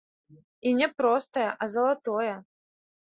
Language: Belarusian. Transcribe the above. І не простае, а залатое.